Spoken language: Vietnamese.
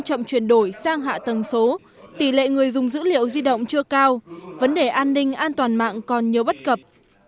chậm chuyển đổi sang hạ tầng số tỷ lệ người dùng dữ liệu di động chưa cao vấn đề an ninh an toàn mạng còn nhiều bất cập